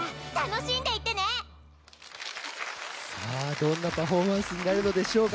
どんなパフォーマンスになるのでしょうか。